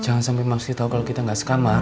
jangan sampe mamski tau kalo kita gak sekamar